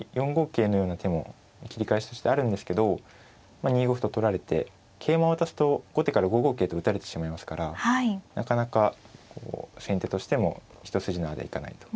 桂のような手も切り返しとしてあるんですけど２五歩と取られて桂馬を渡すと後手から５五桂と打たれてしまいますからなかなか先手としても一筋縄ではいかないと。